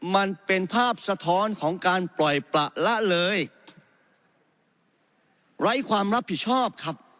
มันเป็นภาพสะท้อนของการปล่อยประละเลยไร้ความรับผิดชอบครับ